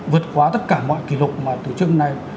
vượt quá tất cả mọi kỷ lục mà từ trước đến nay